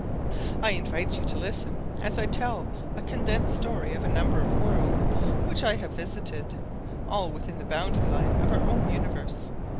I invite you to listen as I tell a condensed story of a number of worlds which I have visited, all within the boundary line of our own universe.